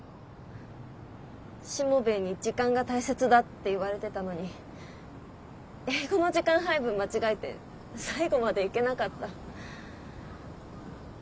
しもべえに時間が大切だって言われてたのに英語の時間配分間違えて最後までいけなかった。